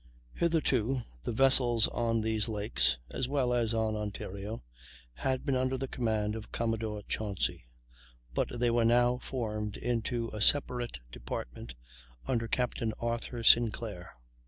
Hitherto the vessels on these lakes (as well as on Ontario) had been under the command of Commodore Chauncy; but they were now formed into a separate department, under Captain Arthur Sinclair.